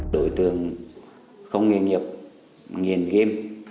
đối tượng không nghiên nghiệp nghiền game